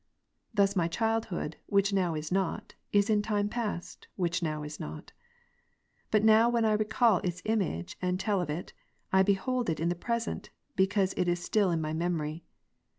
Thus my childhood, which now is not, is in time past, which now is not : but now when I recall its im age, and tell of it, I behold it in the present, because it is still in my memory.